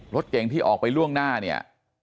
รถเก่งที่ออกไปล่วงหน้าเนี่ย